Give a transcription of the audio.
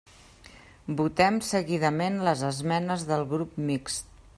Votem seguidament les esmenes del Grup Mixt.